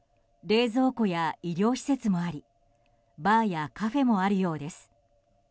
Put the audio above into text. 冷蔵庫や医療施設もありバーやカフェもあるようです。